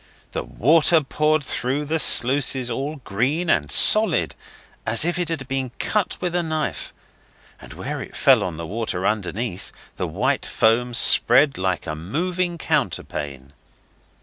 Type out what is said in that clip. The water poured through the sluices all green and solid, as if it had been cut with a knife, and where it fell on the water underneath the white foam spread like a moving counterpane.